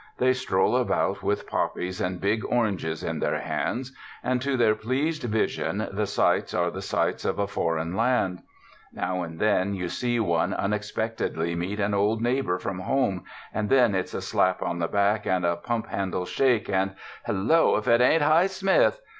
They stroll about with poppies and big oranges in their hands, and to their pleased vision the sights are the sights of a foreign land. Now and then you see one unexpectedly meet an old neighbor from home and then it's a slap on the back and a pump handle shake, and ''Hello, if it ain't Hi Smith!